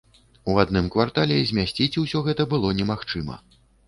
У адным квартале змясціць усё гэта было немагчыма.